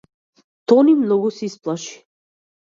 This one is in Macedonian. Тони многу се исплаши.